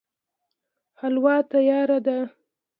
حلوا تياره ده